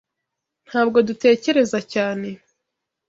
Ntabwo dutekereza cyane.